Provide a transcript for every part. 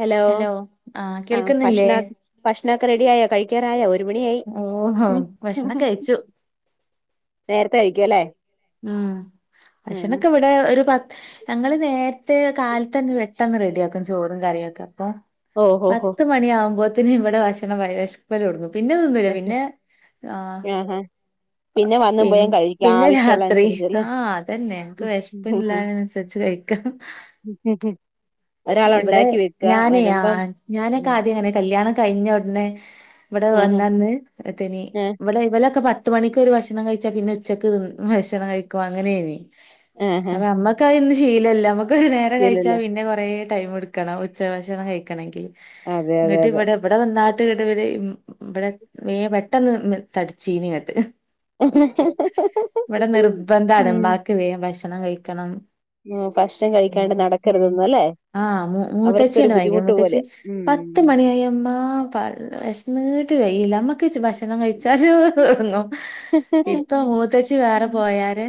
Hello ആഹ് ആ കേൾക്കുന്നില്ലേ ഭഷ്ണ ഭഷ്ണൊക്കെ റെഡി ആയോ? കഴി ക്കാറായോ ഒരു മണിയായി ഓഹോ ഉം. ഭക്ഷണം കഴിച്ചു നേരത്തെ കഴിക്കുല്ലേ. ഉം ബക്ഷെണൊക്കെ ഇവടെ ഒരു പത്ത് ഞങ്ങള് നേര്ത്തെ കാൽത്തന്നെ പെട്ടെന്ന് റെഡിയാക്കും ചോറും കറിയൊക്കെ അപ്പൊ ഓഹോ ഹോ പത്ത് മണി ആവുംമ്പോത്തിന് ഇവടെ ഭക്ഷ്ണം വൈ വേക്ഷ് പ്പലൊട്ന്നു പിന്നെ നിന്നില്ല ബസ് പിന്നേ ആഹ്‌ ആഹാ പിന്നെ വന്നും പിൻ പോയും കഴിക്കാം പിന്നെ ആവശ്യമുള്ള രാത്രി അനുസരിച്ച് അല്ലേ ആഹ് അതന്നെ എൻക്ക് വേഷ്പ്പ്ള്ളേനെനുസര്ച്ച് കയ്ക്ക്. [unintelligible] ഒരാള് ഇവടെ ഉണ്ടാക്കി വെക്കുക ഞാനെയ് വരുമ്പം ആഹ് ഞാനൊക്കെ ആദ്യം അങ്ങനെ കല്യാണ കഴിഞ്ഞ ഉട്നെ ഇവടെ ആഹ് വന്നന്ന് പത്തനി ആഹ് ഇവ ഇവലൊക്കെ പ പത്ത് മണിക്ക് ഒരു ഭഷ്ണം കഴിച്ചാ പിന്നെ ഉച്ചക്ക് ത് ഭക്ഷണം കഴിക്കും അങ്ങനേണ് ആഹ് അപ്പ അമ്മ ക്ക് അഒന്നും ശീലല്ല മ്മക്ക് ഒരു നേരം കഴിച്ചാ ഇല്ലല്ലോ പിന്നെ കൊറേ ടൈം ട്ക്കണം ഉച്ചഭക്ഷണം കഴിക്കണെങ്കില്. അതെ അതെ ന്ന്ട്ട് അതെ വടെ ഇവിടെ വന്നാട്ട് ഇങ്ങട്ട് വര് ഇവിടെ വേ പെട്ടെന്ന് തടിച്ചീനിങ്ങട്ട് [unintelligible] ഇവിടെ നിർബന്ധണ് ഉം ഉമ്മാക്ക് വേ ഭക്ഷണം കഴിക്കണം മ്മ് ഭക്ഷണം കഴിക്കാണ്ട് നടക്കരുത് എന്ന് അല്ലേ ആഹ് അവർക്കൊരു മുത്തച്ചിയാണ് ഭയങ്കരം ബുദ്ധിമുട്ട് മൂത്തച്ചി പോലെ പത്ത് മണി യ്യമ്മ പള്ള വിശന്നിട്ട് കഴിയില്ല ഞമ്മക്ക് ഭക്ഷണം കഴിച്ചാലോന്ന് ഉം തുടങ്ങും ഇപ്പൊ മൂത്തച്ചി വേറെ പോയാരെ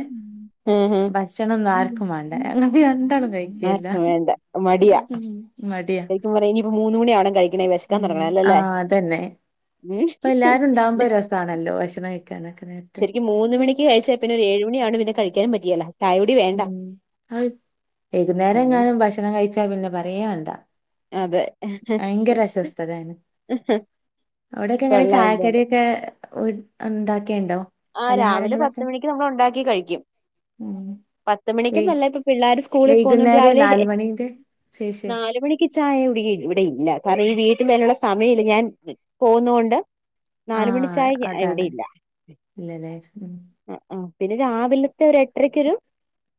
ആഹ് ഭക്ഷണം ഒന്നും ആർക്കും വേണ്ട ഞങ്ങള് രണ്ടാളും കഴിക്കലില്ല ഇല്ല മടി മ്മ് മടിയാ മൂന്ന് മണിയാവണം കഴിക്കണേ വിശക്കാൻ തുടങ്ങണം അല്ലല്ലേ ആഹ് അതന്നെ ഉം ഇപ്പൊ എല്ലാരും ഉണ്ടാവുമ്പോ ഒരു രസണല്ലോ ഭക്ഷണം കഴിക്കാാനൊക്കെ നേ ശരിക്കും മൂന്ന് മണിക്ക് കഴിച്ചാൽ പിന്നെ ഏഴു മണിയാവണ്ട് പിന്നെ കഴിക്കാനും പറ്റുകേല ഉം ആഹ് വൈകുന്നേരം ഉം എങ്ങാനും ഭക്ഷണം കഴിച്ചാ പിന്നെ പറയേ വേണ്ട അതെ ഭയങ്കര അവടൊക്കെ എങ്ങനെ കൊള്ളാം എന്തായാലും ചായക്കടിയൊക്ക ഉണ്ടാക്കിയുണ്ടോ ആഹ് രാവിലെ പലഹാരങ്ങളൊക്കെ പത്തുമണിക്ക് നമ്മൾ ഉണ്ടാക്കി കഴിക്കും ഉം പത്തുമണിക്ക് വൈ ഒന്നല്ലാട്ടോ ഇപ്പ പിള്ളേർ സ്കൂളിൽ പോകുന്നുണ്ട് വൈകുന്നേരം രാവിലെ നാല് മണിന്റെ ശേഷേ നാലുമണിക്ക് ക്ക് ചായ കുടി ഇവിടെ ഇല്ല കാരണം ഈ വീട്ടിൽ അയിനുള്ള സമയൂല ഞാൻ പോകന്നൊണ്ട് നാലുമണി ച്ചായ ഇവിടെയില്ല ഇല്ലല്ലെ ഉം അ ആഹ് പിന്നെ രാവിലത്തെ ഏട്ടാരക്കൊരു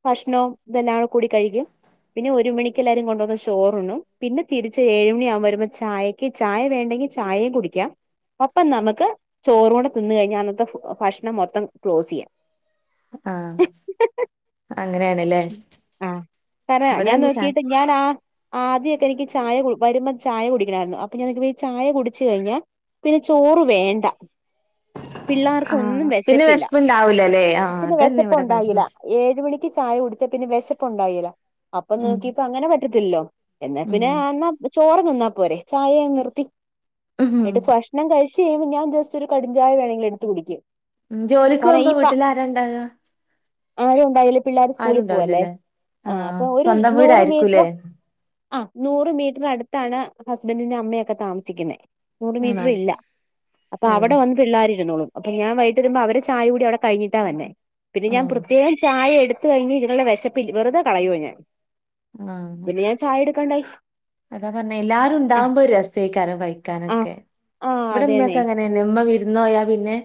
ഭക്ഷണവും ഇതെല്ലാ കൂടി കഴിക്കും പിന്നെ ഒരു മണിക്ക് എല്ലാവരും കൊണ്ടുവന്ന ചോറുണ്ണും പിന്നെ തിരിച്ച് ഏഴുമണി ആകുമ്പ വരുമ്പോ ചായ ക്ക് ചായ വേണ്ടെങ്കിൽ ചായയും കുടിക്കാം ഒപ്പം നമുക്ക് ചോറ് കൂടെ തിന്ന്‌ കഴിഞ്ഞാൽ അന്നത്തെ ഭക്ഷണം മൊത്തം ക്ലോസ് ചെയ്യാം ആഹ് അങ്ങനെയാണല്ലേ ഇവിടെ പിന്നെ ചാ ഞാനാ ആദ്യക്കെ എനിക്ക് ചായ വരുമ്പോൾ ചായ കുടിക്കണായിരുന്നു അപ്പൊ ഞാ നോക്കുമ്പോ ഈ ചായ കുടിച്ചു കഴിഞാ പിന്നെ ചോറ് വേണ്ട പിള്ളാ ർക്കൊന്നും ആഹ് പിന്നെ വിശപ്പില്ല വിഷമണ്ടാവൂലല്ലേ ആഹ് ഇത്തിന് അതന്നെ വിശപ്പ് ഇവിടെ ഉണ്ടാകേല്ല പ്രശ്നം ഏഴ് മണിക്ക് ചായ കുടിച്ചാ പിന്നെ വിശപ്പുണ്ടാകേല്ല അപ്പൊ ഉം നോക്കിപ്പ അങ്ങനെ പറ്റത്തില്ലല്ലോ എന്നാ ഉം പിന്നെ എന്നാ ചോറ് തിന്നാ പോരെ ചായങ്ങ് നിർത്തിട്ട് ഉം ഉം. എന്നിട്ട് ഭക്ഷ് ണം കഴിച്ചു കഴിയുമ്പോൾ ഞാൻ ജസ്റ്റ് ഒരു കടും ചായ വേണങ്കിൽ എടുത്ത് കുടിക്കും ഉം ജോലക്ക് കാരണം പോവുമ്പോ ഈ പ വീട്ടിൽ ആര ഉണ്ടാവുക ആരും ഉണ്ടായില്ല പിള്ളേർ ആരും സ്കൂളിൽ പോവല്ലേ ഉണ്ടാവൂലല്ലേ ആഹ് അപ്പൊ ഒരു സ്വന്തം നൂറ് മീറ്റർ വീടായിരിക്കൂല്ലേ ആഹ് നൂറ് മീറ്റർ അടുത്താണ് ഹസ്ബൻറിിന്റെ അമ്മയൊക്കെ താമസിക്കുന്നെ നൂറ് മീറ്റർ ആണോ ഇല്ല അപ്പൊ അവിടെ ഓഹ് വന്ന് പിള്ളേരിരുന്നോളൂ ഞാൻ വൈകട്ട് വരുമ്പോ അവരെ ചായ കൂടി അവിടെ കിഞ്ഞിട്ടാ വരുന്നേ പിന്നെ ഞാൻൻ ഓഹ് പ്രത്യേകം ചായ എടു ത്ത് കഴിഞ് ഇതിനുള്ള വിശപ്പില്ല വെുത കളയുവാ ഞാൻ ആഹ് പിന്നെ ഞാൻ ചായ എടുക്കണ്ടായി അതാ പറഞ്ഞ എല്ലാരും ഉണ്ടാകുമ്പോ ഒരു രസയ്ക്കാരം ആ കഴിക്കാനൊക്കെ ആ അതേന്നെ ഇവിടെക്കെങ്ങനെ പിന്നെ ഇമ്മ വിരുന്ന് പോയാൽ പിന്നെ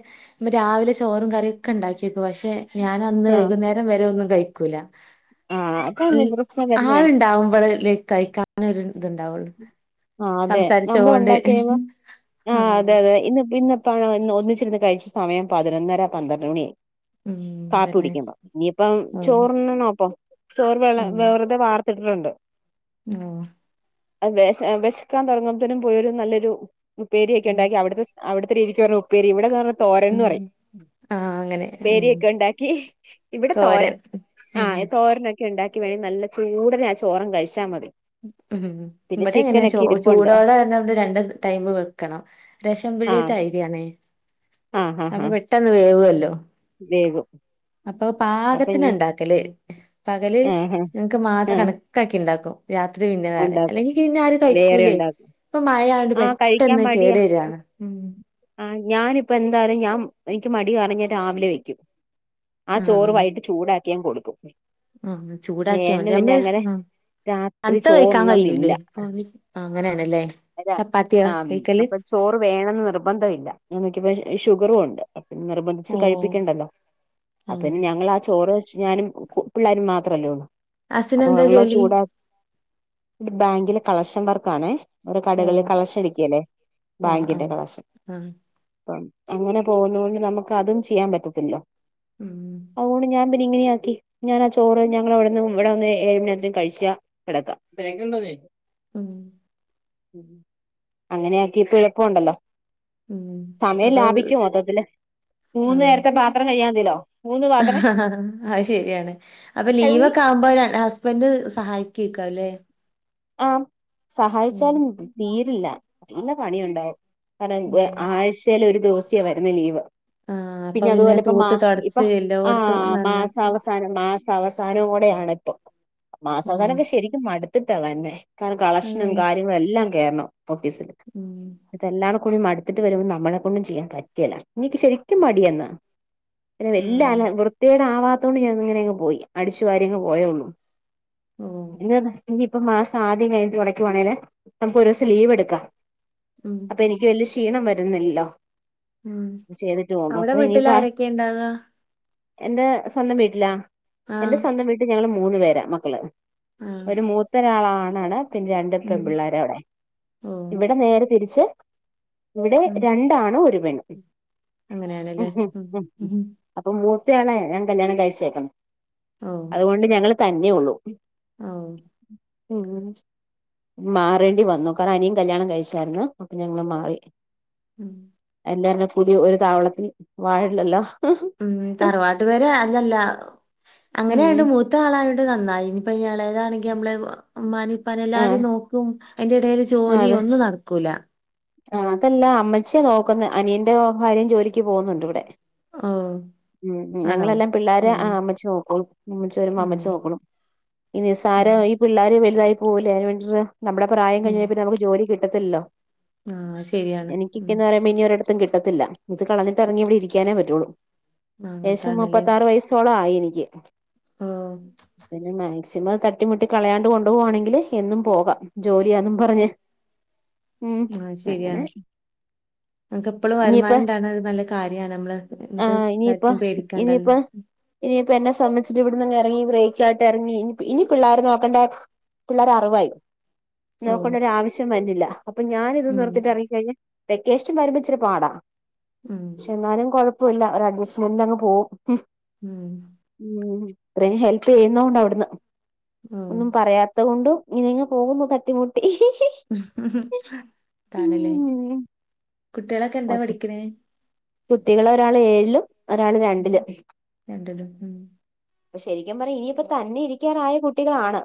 രാവിലെ ചോറും കറിയൊക്കെ ഉണ്ടാക്കിയേക്കും പക്ഷെ ഞാൻ അന്ന് ആ വൈകുന്നേരം വരെ ഒന്ന് കഴിക്ക ക്കൂല ആ അതാണ് ഏഹ് പ്രശ്നം വരുന്നേ ആളുണ്ടാവുമ്പോളലെ കഴിക്കാന് ഒരു ഇത്ണ്ടാവുള്ളൂ ആഹ് അതെ നമ്മൾ ഉണ്ടാക്കി കഴിഴുമ്പം ആഹ് അതെ അതെ ഇന്ന് പിന്നെ ഒന്നിച്ചിരുന്ന് കഴിച്ച സമയം പതിനൊന്നര പന്ത്രണ്ട് മണിയായി ഉം കാപ്പി തന്നെ കുടിക്കുന്നു ഇനിയിപ്പം ഉം ചോറി നോപ്പ ചോറ് വെ വെറുതെ വാർത്ത ത്തിട്ടുണ്ട് ഓ ശ വിശക്കാൻ തുറങ്ങുമ്പത്തനും പോയരു നല്ലൊരു ഉപേരിയൊക്കെ ഉം ഉണ്ടാക്കി അവിടുത്തെ അവിടത്തെ രീതിക്ക് പറഞ്ഞ ഉപ്പേരി ഇവിടെന്ന് പറഞ്ഞ തോരൻ എന്ന് ഉം പറയും ആഹ് അങ്ങനെ ഉം പേരിയൊക്കെ ഉണ്ടാക്കി ഇവിടെ തോരൻ ഉം ആഹ ഉം തോരനൊക്കെ ണ്ടാക്കി വേണൽ നല്ല ചൂടനെ ആഹ് ചോറം കഴിച്ചാൽ മതി ഉം പിന്നെ ഇവിടെ എങ്ങനെ ചിക്കനൊക്കെ ഇരിപ്പുണ്ട് ചൂടോടെ എ രണ്ട് ടൈംവെക്കണം റേഷൻ പീടിത്തെ അയ്‌രിയാണെ ആ ആഹ് അത്പെട്ടെന്ന് വേവല്ലോ വേവും അപ്പൊ പാകത്തിന് ഉണ്ടാക്കല് പകല് ആഹ് ങ്ങക്ക് ആഹ് മാത്ര ആഹ് കണക്കാക്കി ഉണ്ടാക്കും രാത്രി പിന്നെ വേറെ ഉണ്ടാക്കും അല്ലെങ്കി പിന്നെ ആര് വേറെ കഴിക്കൂലേ ഉണ്ടാക്കും ഇപ്പൊ മഴണ്ട് ആഹ് കഴിക്കാൻ പെട്ടെന്ന് മടിയാ കേടു വരികയാണ് ഉം ആഹ് ഞാനിപ്പ എന്തായാലും ഞാൻ എനിക്ക് മടി കാരണം ഞാൻ രാവിലെ വെക്കും ആഹ് ചോറ് വൈിട്ട് ചൂടാക്കി ഞാൻ കൊടുക്കും ആഹ് പിന്നെ ചൂടാക്കിയാൽ ഏട്ടന് മതി പിന്നെ അങ്ങനെ നമ്മ രാത്രി തണുത്ത കഴിക്കാൻ ചോറുണ്ണുന്നില്ല കഴിയൂല്ലേ അങ്ങനെയാണല്ലേ അതാ ചപ്പാത്തിയോ ആഹ് കൈക്കല് അപ്പൊ ചോറ് വേണന്ന് നിർബന്ധ യില്ല നമുക്കിപ്പ ഷുഗറും ഉണ്ട് പിന്നെ നിർബന്ധിച്ച് ഓഹ് കഴിപ്പിക്കണ്ടല്ലോ അ ആഹ് പിന്നെ ഞങ്ങ ആ ചോറ് വെച്ച്ഞാനും ഉപ്പം ഞാനും മാത്രല്ലേ ഉള്ളൂ അപ്പൊ ഹസ്സിനെന്താ വെള്ള ജോലി ഒഴിച്ച്ചൂട ഇ ബാങ്കിലെ കളക്ഷൻ വർക്കാണെ ഒരു കടകളിൽ ഓഹ് കളക്ഷനരിക്കില്ലെ ആഹ് ബാങ്കിലെ ആഹ് കളക്ഷൻ ആഹ് അപ്പം അങ്ങനെ പോകുന്നതോണ്ട് നമുക്ക് അതും ചെയ്യാൻ പറ്റത്തില്ല ഉം അതോണ്ട് ഞാൻ ഇങ്ങനെയ ആക്കി ഞാനാ ചോറ് ഞങ്ങളവിടുന്ന് ഇവിടെന്ന് ഏതു നേരത്താ കഴിക്ക കിടക്കാം ഇക്കണ്ടോ [unintelligible] ഉം ഉ അങ്ങനെയ ആക്കി ഇപ്പ കുഴപ്പുണ്ടല്ലോ ഉം സമയം അപ്പൊ ലാഭിക്കു മൊത്തത്തില് മൂന്ന് നേരത്തെ പാത്രം കഴിയാമതിലോ അയ് ശരിയാണ് അപ്പൊ എല്ലാം ലീവെക്കെ ആവുമ്പോ ഹസ് ബൻ്റ്സഹായിക്കാര്യ ല്ലേ ആഹ സഹായിച്ചാലും തീരില്ല നല്ല പണിയുണ്ടാവും കാരണം ഉം. ആഴ്ചൽ ഒരു ദിവസിയാ വരുന്ന ലീവ് ആഹ് അപ്പൊ പിന്നെ അതുപോലെ ഇപ്പ മാ തൂത്ത് ഇപ്പൊ തൊടച്ച് ആ എല്ലോട്ത്തും നന്നാക്കി മാസാവസാനം മാസ് അവസാനോടെയാണ് ഇപ്പൊ മാസ ഉം. അവസാനക്കെ ശരിക്കും അടുത്തിട്ടാ വന്നേ കാരണം കളക്ഷനും ഉം. കാര്യങ്ങളും എല്ലാം കേയറണം ഓഫീസില് ഉം ഇത എല്ലാട കൂടി മടുത്തിട്ട് വരുമ്പോൾ നമ്മളെ കൊണ്ടും ചെയ്യാൻ പറ്റില്ല ഇനിക്ക് ശരിക്കും മടിയന്ന പി ന്നെ വല് ആഹ്. അ വൃത്തിടെ ആവാത്തോണ്ട് ഞാൻ ഇങ്ങനെ അങ്ങ് പോയി അടിച്ചു വാരി അങ്ങ് പോയള്ളു ഓഹ്. എന്ത ഇനിയിപ്പ മാസം ആദ്യം കഴിഞ്ഞട്ട് തുടയ്ക്കുവാണെങ്കില് നമുക്ക് ഒരു ദിവസം ലീവ് എടുക്കാം ഉം അ എനിക്ക് വലിയ ക്ഷീണം വരുന്നില്ലോ ഉം. ചെയ്തിട്ട് പോവുമ്പോ അവിടെ അപ്പൊ വീട്ടിൽ ഇനിപ്പ ആരൊക്കെയാ ഇണ്ടാക? എന്റെ സ്വന്തം വീട്ടിലാ എന്റെ ആഹ്. സ്വന്തം വീട്ടില് ഞങ്ങള് മൂന്ന് പേരാ മക്കള് ആഹ്. ഒരു മൂത്തരാളാണ് പിന്നെ രണ്ട് ഉം. പെണ് പിള്ളേര അവിടെ ഓഹ്. ഇവിടെ നേരെ തിരിച്ച് ഇവിടെ ഉം. രണ്ടാണ് ഒരു പെണ്ണും ഉം ഉം അപ്പൊ മൂത്തയാളേ ഞാൻ കല്യാണം കഴിച്ചേക്കണ ഓഹ്. അതുകൊണ്ട് ഞങ്ങള് തന്നേ ഉള്ളൂ ഓഹ് ഉം മാറേണ്ടി വന്നു കാരണം അനിയൻ കല്യാണം കഴിച്ചായിരുന്നു അപ്പൊ ഞങ്ങള് മാറി ഉം എല്ലെ പുതിയ ഒരു താവളത്തിൽ വാഴില്ലല്ലോ ഉം തറവാട്ട് പേര് അല്ലല്ല ഉം അങ്ങനെയണ്ട് മൂ ത്ത ആളായോണ്ട് നന്നായി ഇനിപ്പ ഏളെതാണെങ്കിൽ നമ്മള് മ്മാനിപാനിം ആഹ് എല്ലാരും നോക്കും അയിൻ്റെ ഇടൽ ജോലിം ഒന്നും നടക്കൂല ആ അതെല്ല അമ്മച്യ നോക്കന്ന് അനിയന്റെ ഭാര്യ ജോലിക്ക് പോകുന്നുണ്ട് ഇവിടെ ഓഹ് ഉം ആണോ? ഞങ്ങളെല്ലാം പിള്ളേെരെ ഉം ആ അമ്മച്ച നോക്കും അമ്മച്ച വരുമ്പോ ഉം അമ്മച്ചു നോക്കളും ഇനി ഉം സാരയ് പിള്ളോര് വലുതായി പോകൂല്ല അതിന് വേണ്ടിട്ട നമ്മുടെ പ്രായം ഉം കഴിഞ്ഞൽന്ന നുക്ക് ജോലി കിട്ടത്തിലല്ലോ ആഹ് ശരിയാണ് മനി ഒരിടത്തും കിട്ടത്തില്ല ഇത് കളന്നിട്ട ഇറങ്ങി ഇവിടെ ഇരിക്കാനേ പറ്റുള്ളൂ ആഹ് ദേശം അതാണ്ല്ലേ. മുപ്പത്താറ് വയസ്സോളം ആയി എനിക്ക് ഓഹ് പിന്നെ ചുമ്മാ തട്ടിമുട്ടി കളയാണ്ട് കൊണ്ടു പോവാണെങ്കിൽ എന്നും പോകാം ജോലിയന്നും പറഞ്ഞ് ഉം ആഹ് അങ്ങനെ ശരിയാണ് നമക്ക് എപ്പളും ഇനിയിപ്പ വരുമാനം ഉണ്ടാണ് നല്ല കാര്യണ് നമ്മള് എന്ത് ഇനിപ്പ കാര്യത്തിനും പേടിക്കണ്ടല്ലോ. ഇനിയിപ്പ ഇനിയിപ്പൊ എന്നെ സംബധി് ഇവിടന്ന്ന്ന ഇങ്ങി ബ്രേക്കായിട്ട് ഇറങ്ങി ഇനി ഇനി പിള്ളേർ നോക്കണ്ട പിള്ളേരെ അറിവായി ഓഹ് നോക്കണ്ട ഒരു ആവശ്യം വന്നില്ല അപ്പൊ ഞാനിത് ഉം നിർത്തിട്ട ഇറങ്ങിക്കഴിഞ്ഞാൽ വെക്കേഷന് വരമിച്ചരു പാടാ ഉം പക്ഷെ എന്നാലും കൊഴപ്പില്ല ഒരു അഡ്ജസ്റ്റ്മെൻ്റിൽ അങ്ങ് പോവും ഉം ഉം ഇത്രയും ഹെൽപ് ചെയ്യുന്നണ്ട് അവിടന്ന് ഓഹ് ഒന്നും പറയാ അതൊണ്ടും ഇനിങ്ങ പോകുമ്പോ തട്ടിമുട്ടി തണല്ലേ ഉം കുട്ടികളൊക്കെ എന്താ പഠിക്കണേ കുട്ടികളെ ഒരാള് ഏഴിലും ഒരാള് ഉം, രണ്ടിലും രണ്ടിലും ഉം ശരിക്കും പറയും ഇനിയിപ്പ തന്നെ ഇരിക്കാനായ കുട്ടികളാണ്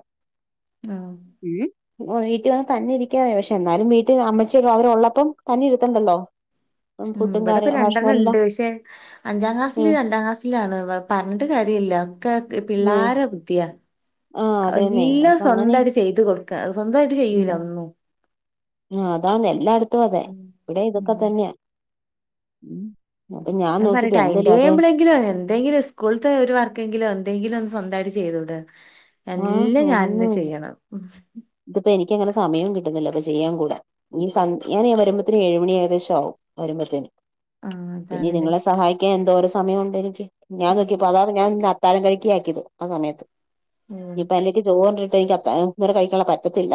ആഹ് ഉം ഓ വീട്ടിൽ വന്ന് തന്നെ ഇരിക്കാൻ പക്ഷെ എന്നാലും വീട്ടിൽ അമ്മച്ചല്ലോ അവരള്ളപ്പം തന്നെ ഇരുത്തണ്ടല്ലോ ഫുഡും കാര്യങ്ങളെ അവിടെ ഇണ്ട് ക്ഷേ അഞ്ചാം ക്ലാസ്സില് രണ്ടാം ക്ലാസ്സില ആണ് പറഞ്ഞിട്ട് കാര്യമില്ല ഒക്കെ ഉം പിള്ളേരെ ബുദ്ധിയാ ആഹ് അതന്നെ എല്ലാം അപ്പൊ അങ്ങനെ സ്വന്തമായിട്ട് ചെയ്ത് കൊടുക്ക സ്വന്തമായിട്ട് ചെയ്യൂല ഒന്നും ആഹ് അതാന്ന എല്ലായിടത്തും അതെ ഉം ഇവിടെ ഉം ഇതൊക്കെ തന്നെയാ അപ്പൊ ഞാൻ പറയട്ടെ നോക്കിപ്പോ എന്തേലും ആട്ടെ ടൈംടേബിൾ എങ്കിലും എന്തെങ്കിലും സ്കൂളത്തെ ഒരു വർക്കെങ്കിലും എന്തെങ്കില ഒന്ന് സ്വന്തമായിട്ട് ചെയ്തൂടെ എല്ലാം ഞാൻ തന്നെ ചെയ്യണം ഇത്പ്പെനിക്കങ്ങനെ സമയവും കിട്ടുന്നില്ല ഇപ്പൊ ചെയ്യാ കൂടെ ഇ സന്ധ്യ ഞാന് വരുമ്പത്തേന് ഏഴുമണി ഏകദേശാവും വരുമ്പോത്തേന് ആഹ് പിന്നെ അതാണ്ല്ലേ. ഇത്ങ്ങളെ സഹായിക്കാനെന്തോരോ സമയണ്ടെനിക്ക് ഞാൻ ഉം നോക്കിയപ്പോ അതാണ് ഞാൻ [unintelligible] കഴിക്കിയാക്കിയത് ആ സമയത്ത് ഉം ഇപ്പൊ അനിയത്തി ചോറ്ണ്ടിട്ടെനിക്ക് അത്താഴ കഴിക്കാതെനിക്ക് പറ്റത്തില്ല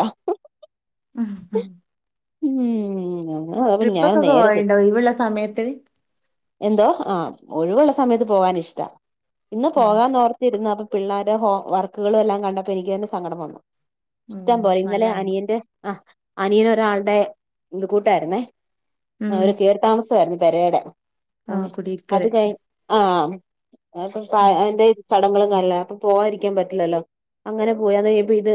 മം മം ഇംമ് അങ്ങനോര് ഞാനാണേ ട്രിപ്പൊക്കെ നേരെ പോവലുണ്ടോ തിരിച്ച് ഒഴിവുള്ള സമയത്ത്? എന്തോ? ആ ഒഴിവുള്ള സമയത്ത് പോവാനിഷ്ട ഇന്ന് ഉം പോവാന്നോർ ത്തിരുന്ന അപ്പോ പിള്ളേരുടെ ഹോം വർക്കുകളും എല്ലാം കണ്ടപ്പോ എനിക്ക് തന്നെ സങ്കടം വന്നു ഇഷ്ടം ഉം പോല ഇന്നലെ മഴയാണ്. അനിയന്റെ ആ അനിയനൊരാള്ടെ കൂട്ടായിര്ന്നേ ആ ഉം അവരു കേറി താമസമായിരുന്നു പെരേയ്ടെ അപ്പം ആഹ് അത് കുടിയിരിക്കല്. കഴിഞ്ഞ് ആഹ് അപ്പൊ ഉം അയിന്റെ ചടങ്ങുകളും കാര്യങ്ങളു അപ്പൊ പോവാാതിരിക്കാൻ പറ്റില്ല ല്ലോ അങ്ങനെ പോയി അത് ഇത്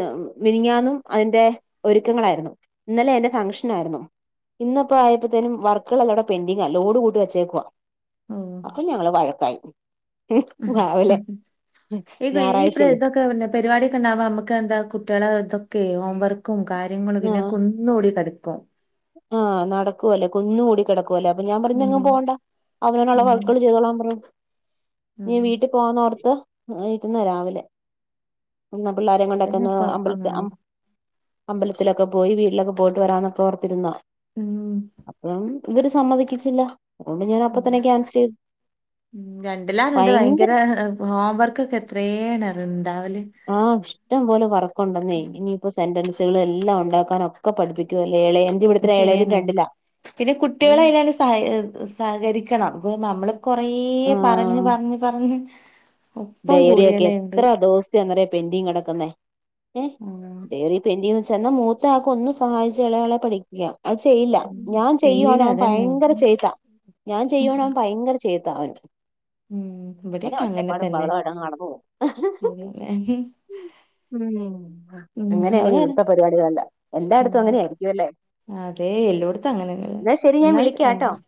മിനിഞ്ഞാന്നും അതിന്റെ ഒരുക്കങ്ങളായിരുന്നു ഇന്നലെ അയിന്റെ ഫംഗ്ഷനായിരുന്നു ഇന്ന്പ്പോ ആയപ്പോത്തേനും വർക്കുകളെല്ലാ കൂടെ പെൻഡിങ്ങാ ലോഡ് കൂട്ടി വെച്ചേക്കുവാ ഓഹ് അപ്പൊ ഞങ്ങള് വഴക്കായി ഉം രാവിലെ ഞായറാഴ്ചയല്ലേ? പരിവാടിയൊക്കെണ്ടാവുമ്പോ നമക്കെന്താ കുട്ടികളെ ഇതൊക്കെ ഹോംവർക്കും കാര്യങ്ങളും പിന്നെ ആഹ് കു ന്നൂടി കടക്കും ആഹ് നടക്കുവല്ലെ കുന്നു കൂടി കിടക്കുവല്ലോ അപ്പൊ ഞാൻ പറഞ്ഞു ഉം ഇഞെങ്ങും പോകണ്ട അവനോന്ള്ളത് ഉം അവക്കളോട് ചെയ്തോളാൻ പറ ഉം ഇനി വീട്ടി പോകാന്നോർത്തിരുന്നതാ രാവിലെ ഒന്ന് പിള്ളോരെയും അതന്നെ കൊണ്ടക്കൊന്ന് ഇപ്പൊ ആഹ് അമ്പലത്തിൽ അമ്പല ത്തിലൊക്കെ പോയി വീട്ടിലൊക്കെ പോയിട്ട് വരാന്നൊക്കോർത്തിരുന്ന ഉംഹ് അപ്പം ഇവര് സമ്മതിക്കിച്ചില്ല അതുകൊണ്ട് ഞാനപ്പ ഉം തന്നെ ക്യാൻസെലയ്തു ഉം രണ്ടിലാരുണ്ട് ഭയങ്കര ഹോംവർക്കൊക്കെ എത്രേണറിയോ ഇണ്ടാവല് ആ ഇഷ്ടം പോലെ വർക്കുണ്ടെന്നേ ഇനിയിപ്പോ സെന്റൻസുകളെല്ലാം ഉണ്ടാക്കാനൊക്കെ പഠിപ്പിക്കുവല്ലേ? എളയ ശരിയന്നെ പിന്നെ കുട്ടികളയിലാണ്ട് സഹ സഹകരിക്കണം ഇത് നമ്മള് കൊറേ പറഞ്ഞ് പറഞ്ഞ് പറഞ്ഞ് ഒപ്പം ഡയറിയൊക്കെ കൂടിയാലേണ്ട് എത്ര ദിവസത്തയാന്നോ പെന്റിങ് കൊക്കുന്നേ ഏ ആഹ് ഡയറി- പെഡിംഗ് ന്ന് വെച്ചാ എന്നാ മൂത്തയാക്ക് ഒന്നു സഹായിച്ച എളയാളെ പഠിപ്പിക്കാം അത് ചെയ്യില്ല ഞാൻ ചെയ്യൂല ചെയ്യുവാണെ അവൻ അതന്നെ ഭയങ്കര ഉം ചെയ്ത്താ ഞാൻ ചെയ്യുവാണെ അവൻ ഭയങ്കര ചെയ്ത്താ അവന് മ് ഇവടെക്കെ അങ്ങനെ തന്നെ ബഹളവായിട്ടങ്ങ് നടന്ന് പോവും ശെരിയെന്നെ ഉം അതാ അങ്ങനെയങ്ങനെ പറഞ്ഞെ. ഇവിടുത്തെ പരിപാടികളെല്ലാം എല്ലായെടെത്തും ഉം അങ്ങനെയായിരിക്കും എല്ലേ? അതെ എല്ലോടുത്തും അങ്ങനെന്നെല്ലേ ഞാൻ ഇന്നാൽ വിളിക്കാട്ടോ ആ